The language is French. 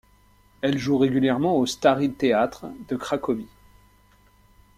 Elle joue régulièrement au Stary Teatr de Cracovie.